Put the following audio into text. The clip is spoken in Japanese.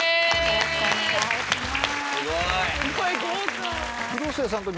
よろしくお願いします。